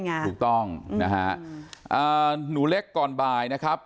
ถูกต้องนะฮะหนูเล็กก่อนบ่ายนะครับ